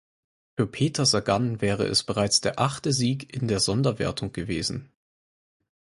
Für Peter Sagan wäre es bereits der achte Sieg in der Sonderwertung gewesen.